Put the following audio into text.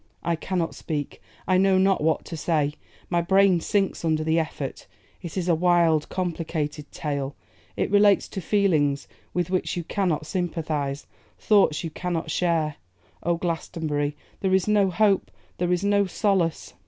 'I cannot speak; I know not what to say. My brain sinks under the effort. It is a wild, a complicated tale; it relates to feelings with which you cannot sympathise, thoughts that you cannot share. O Glastonbury! there is no hope; there is no solace.